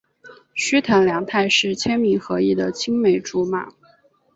须藤良太是千明和义的青梅竹马。